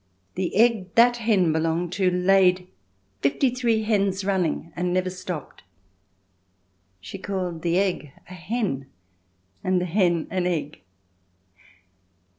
The egg that hen belonged to laid 53 hens running and never stopped." She called the egg a hen and the hen an egg.